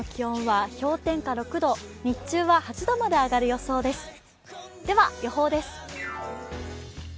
日中は８度まで上がる予想です。